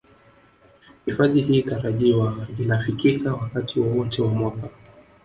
Hifadhi hii tarajiwa inafikika wakati wowote wa mwaka